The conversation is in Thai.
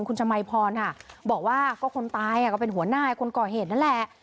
คุณชมัยพรค่ะบอกว่าก็คนตายก็เป็นหัวหน้าคนก่อเหตุนั่นแหละ